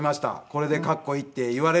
これでかっこいいって言われるでしょう。